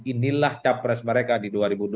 inilah capres mereka di dua ribu dua puluh